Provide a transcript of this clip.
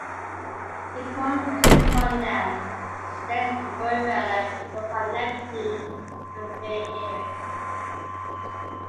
The Court also condemned the State's ongoing failure to provide Neptune a fair hearing.